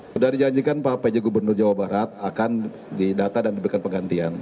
sudah dijanjikan pak pj gubernur jawa barat akan didata dan diberikan penggantian